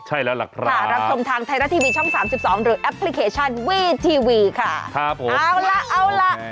ใช่แล้วล่ะครับค่ะรับชมทางไทยรัฐทีวีช่องสามสิบสองหรือแอปพลิเคชันวีทีวีค่ะครับผมเอาล่ะเอาล่ะ